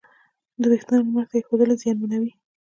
د وېښتیانو لمر ته ایښودل یې زیانمنوي.